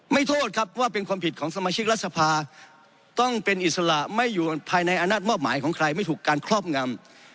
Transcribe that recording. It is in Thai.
โทษครับว่าเป็นความผิดของสมาชิกรัฐสภาต้องเป็นอิสระไม่อยู่ภายในอำนาจมอบหมายของใครไม่ถูกการครอบงำ